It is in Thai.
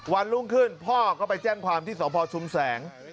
วันรุ่งขึ้นพ่อก็ไปแจ้งความที่สพชุมแสง